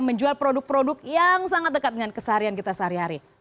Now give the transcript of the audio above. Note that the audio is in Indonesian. menjual produk produk yang sangat dekat dengan keseharian kita sehari hari